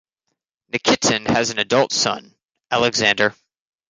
Nikitin has an adult son, Alexander.